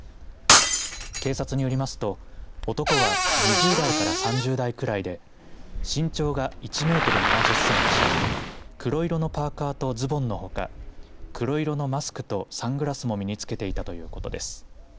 警察によりますと、男は２０代から３０代ぐらいで身長が１メートル７０センチ黒色のパーカーとズボンのほか黒色のマスクとサングラスも身につけていたということです。